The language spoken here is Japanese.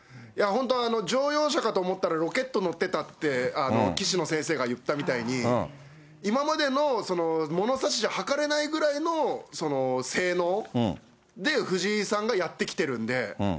本当、乗用車かと思ったらロケット乗ってたって、棋士の先生が言ったみたいに、今までの物差しじゃはかれないぐらいの、性能で、藤井さんがやってきてるんで。